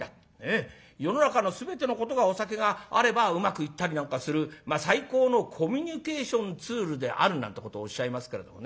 世の中の全てのことがお酒があればうまくいったりなんかするまあ最高のコミュニケーションツールであるなんてことをおっしゃいますけれどもね。